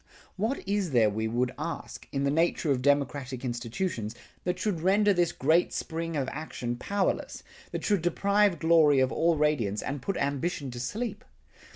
What is there we would ask, in the nature of democratic institutions, that should render this great spring of action powerless, that should deprive glory of all radiance, and put ambition to sleep?